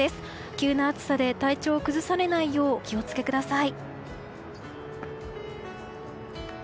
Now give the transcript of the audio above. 急な暑さで体調を崩されないようお気をつけください。